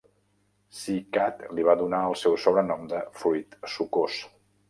C-Kat li va donar el seu sobrenom de "Fruit sucós".